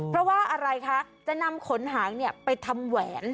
เพราะว่าอะไรคะจะนำขนหางไปทำแหวน